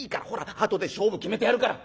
あとで勝負決めてやるから。